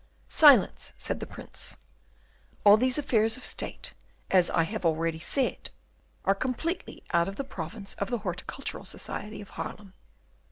"Silence!" said the Prince; "all these affairs of state, as I have already said, are completely out of the province of the Horticultural Society of Haarlem."